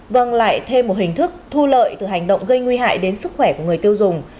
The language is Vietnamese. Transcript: vâng lại thêm một hình thức thu lợi từ hành động gây nguy hại đến sức khỏe của người tiêu dùng